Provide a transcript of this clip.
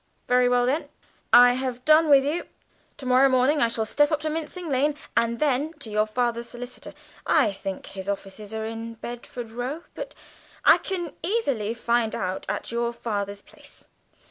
"Very well then, I have done with you. To morrow morning I shall step up to Mincing Lane, and then to your father's solicitor. I think his offices are in Bedford Row, but I can easily find out at your father's place.